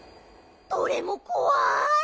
どれもこわい！